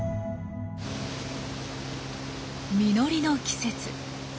実りの季節。